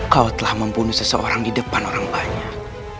kau telah membunuh seseorang di depan orang banyak